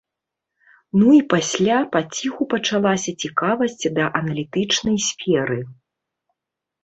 Ну і пасля паціху пачалася цікавасць да аналітычнай сферы.